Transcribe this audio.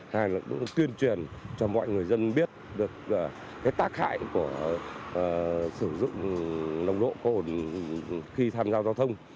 hai là tuyên truyền cho mọi người dân biết được tác hại của sử dụng nồng độ cồn khi tham gia giao thông